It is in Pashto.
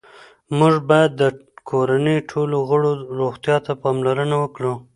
موږ باید د کورنۍ ټولو غړو روغتیا ته پاملرنه وکړو